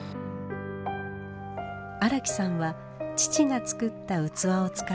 荒木さんは父が作った器を使って育ちました。